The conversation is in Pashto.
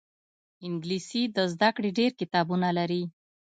انګلیسي د زده کړې ډېر کتابونه لري